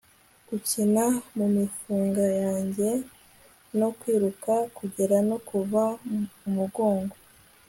gukina mumifunga yanjye no kwiruka kugera no kuva umugongo